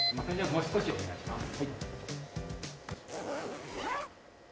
もう少しお願いします。